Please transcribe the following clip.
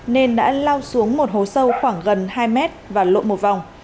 nên đã lao xuống một hồ sâu khoảng gần hai m và lộ một vòng